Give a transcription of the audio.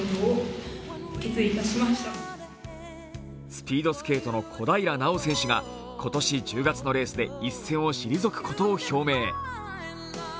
スピードスケートの小平奈緒選手が今年１０月のレースで一線を退くことを表明。